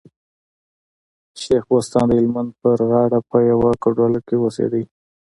شېخ بستان د هلمند په غاړه په يوه کوډله کي اوسېدئ.